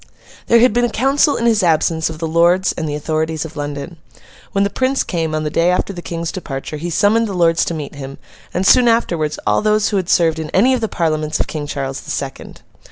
There had been a council in his absence, of the lords, and the authorities of London. When the Prince came, on the day after the King's departure, he summoned the Lords to meet him, and soon afterwards, all those who had served in any of the Parliaments of King Charles the Second.